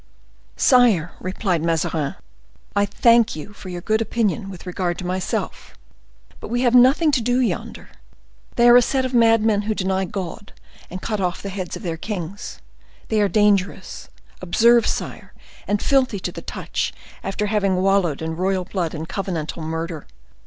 "Sire," replied Mazarin, "I thank you for your good opinion with regard to myself, but we have nothing to do yonder: they are a set of madmen who deny God, and cut off the heads of their kings. They are dangerous, observe, sire, and filthy to the touch after having wallowed in royal blood and covenantal murder.